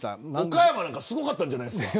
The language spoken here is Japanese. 岡山なんかすごかったんじゃないですか。